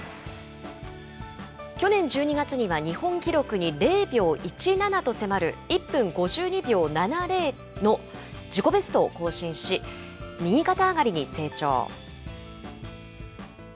去年１２月には日本記録に０秒１７と迫る１分５２秒７０の自己ベストを更新し、右肩上がりに成長。